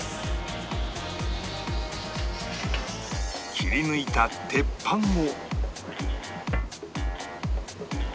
切り抜いた鉄板を